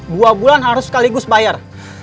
dua bulan harus sekaligus bayar